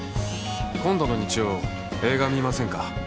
「今度の日曜映画見ませんか？」